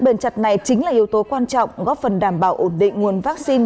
bền chặt này chính là yếu tố quan trọng góp phần đảm bảo ổn định nguồn vaccine